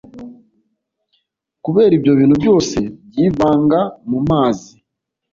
kubera ibyo bintu byose byivanga mu mazi